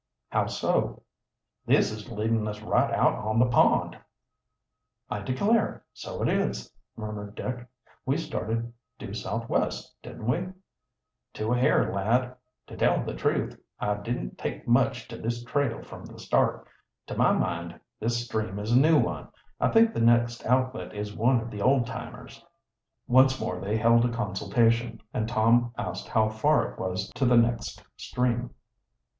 "How so?" "This is leadin' us right out on the pond." "I declare, so it is!" murmured Dick. "We started due southwest, didn't we?" "To a hair, lad. To tell the truth, I didn't take much to this trail from the start. To my mind this stream is a new one. I think the next outlet is one of the old timers." Once more they held a consultation, and Tom asked how far it was to the next stream.